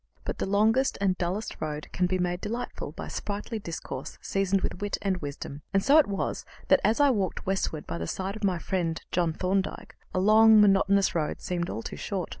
But the longest and dullest road can be made delightful by sprightly discourse seasoned with wit and wisdom, and so it was that, as I walked westward by the side of my friend John Thorndyke, the long, monotonous road seemed all too short.